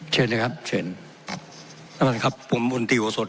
เชิญได้ครับเชิญต้องกันครับผมอุณติหวะสด